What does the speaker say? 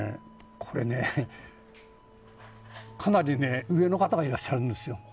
これね、かなり上の方がいらっしゃるんですよ。